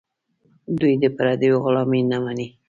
دوی د پردیو غلامي نه مني.